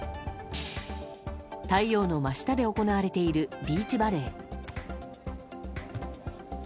太陽の真下で行われているビーチバレー。